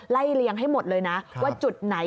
เลียงให้หมดเลยนะว่าจุดไหน